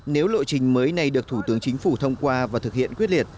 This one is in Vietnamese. nếu lộ trình mới này được thủ tướng chính phủ thông qua và thực hiện quyết liệt